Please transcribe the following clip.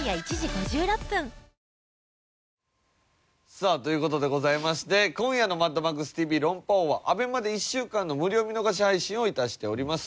さあという事でございまして今夜の『マッドマックスＴＶ論破王』はＡＢＥＭＡで１週間の無料見逃し配信を致しております。